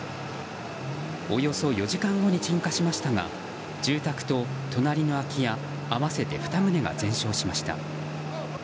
およそ４時間後に鎮火しましたが住宅と隣の空き家合わせて２棟が全焼しました。